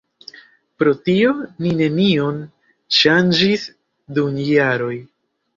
Pro tio ni nenion ŝanĝis dum jaroj.